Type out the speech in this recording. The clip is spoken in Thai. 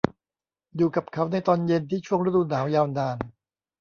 อยู่กับเขาในตอนเย็นที่ช่วงฤดูหนาวยาวนาน